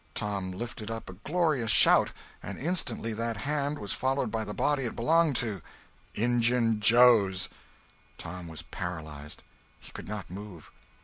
Tom lifted up a glorious shout, and instantly that hand was followed by the body it belonged to—Injun Joe's! Tom was paralyzed; he could not move.